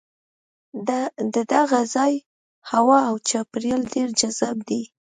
د دغه ځای هوا او چاپېریال ډېر جذاب دی.